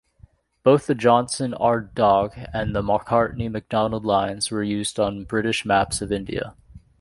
Both the Johnson-Ardagh and the Macartney-MacDonald lines were used on British maps of India.